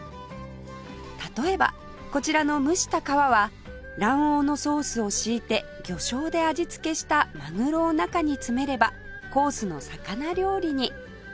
例えばこちらの蒸した皮は卵黄のソースを敷いて魚醤で味付けしたマグロを中に詰めればコースの魚料理に